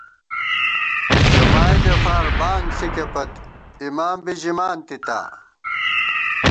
جمائیدے فار بانگ ݪِکےپت، اِمام بی ژِمانتِبا